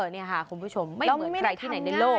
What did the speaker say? นี่ค่ะคุณผู้ชมไม่เหมือนใครที่ไหนในโลก